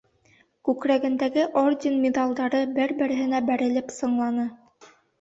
Күкрәгендәге орден-миҙалдары бер-береһенә бәрелеп сыңланы.